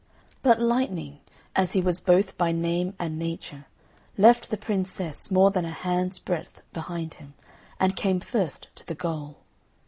But Lightning (as he was both by name and nature) left the princess more than a hand's breadth behind him, and came first to the goal.